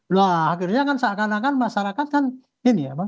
nah akhirnya kan seakan akan masyarakat kan ini ya pak